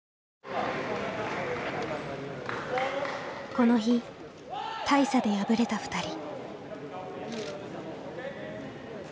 この日大差で敗れたふたり。